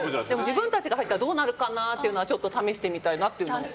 自分たちが入ったらどうなるかなっていうのはちょっと試してみたいなって思います。